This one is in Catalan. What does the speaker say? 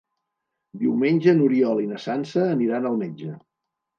Diumenge n'Oriol i na Sança aniran al metge.